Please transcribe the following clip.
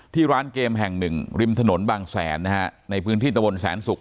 ที่ร้านเกมแห่งหนึ่งริมถนนบางแสนนะฮะในพื้นที่ตะวนแสนศุกร์